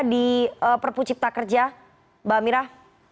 di perpu ciptakerja mbak amirah